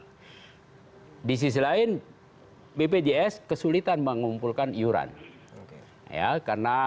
dan kebanyakan yang menggunakan biaya berobat yang sakit sakit kronis itu dituding adalah pekerja informal yang notabene umumnya lebih banyak rokoknya dibandingkan informal